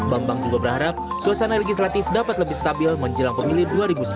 bambang juga berharap suasana legislatif dapat lebih stabil menjelang pemilih dua ribu sembilan belas